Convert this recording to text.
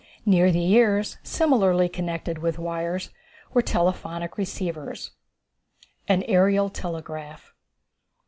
Near the ears, similarly connected with wires, were telephonic receivers. An Aerial Telegraph.